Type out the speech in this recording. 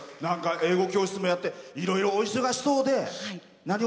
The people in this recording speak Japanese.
英語教室もやっていろいろお忙しそうで。